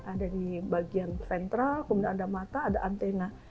ada di bagian sentral kemudian ada mata ada antena